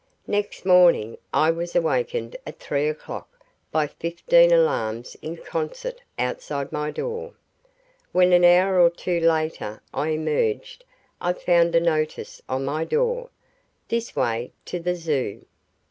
Next morning I was awakened at three o'clock by fifteen alarms in concert outside my door. When an hour or two later I emerged I found a notice on my door, "This way to the Zoo".